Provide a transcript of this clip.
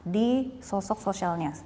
di sosok sosialnya